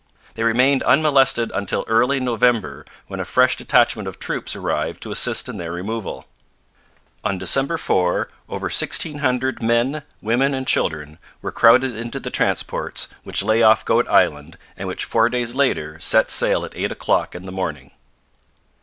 They remained unmolested until early in November, when a fresh detachment of troops arrived to assist in their removal. On December 4 over sixteen hundred men, women, and children were crowded into the transports, which lay off Goat Island and which four days later set sail at eight o'clock in the morning.